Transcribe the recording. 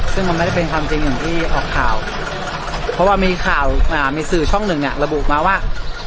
ซึ่งมันไม่ได้เป็นความจริงอย่างที่ออกข่าวเพราะว่ามีข่าวมีสื่อช่องหนึ่งเนี่ยระบุมาว่า